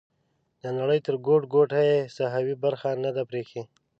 د نړۍ تر ګوټ ګوټه یې ساحوي برخه نه ده پریښې.